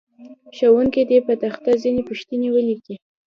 ښوونکی دې په تخته ځینې پوښتنې ولیکي.